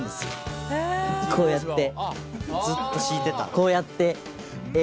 こうやって。